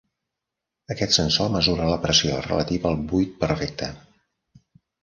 Aquest sensor mesura la pressió relativa al buit perfecte.